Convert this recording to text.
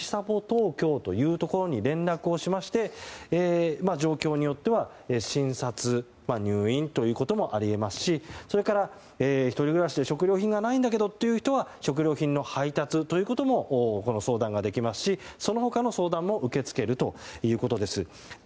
ぽ東京というところに連絡をしまして状況によっては診察、入院ということもあり得ますしそれから、１人暮らしで食料品がないんだけどという人は食料品の配達も相談ができますしその他の相談も受け付けるということです。